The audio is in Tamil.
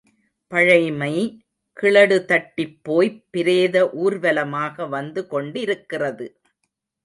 பழைமை கிழடுதட்டிப்போய் பிரேத ஊர்வலமாக வந்து கொண்டிருக்கிறது.